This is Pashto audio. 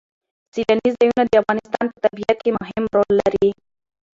سیلانی ځایونه د افغانستان په طبیعت کې مهم رول لري.